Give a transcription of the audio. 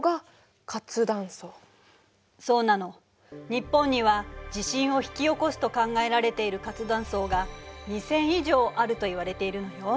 日本には地震を引き起こすと考えられている活断層が２，０００以上あるといわれているのよ。